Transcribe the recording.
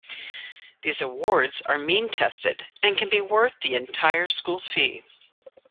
These awards are means-tested, and can be worth the entire school fee.